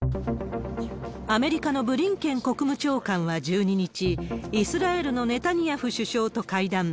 アメリカのブリンケン国務長官は１２日、イスラエルのネタニヤフ首相と会談。